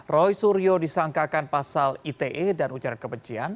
roy suryo disangkakan pasal ite dan ujaran kebencian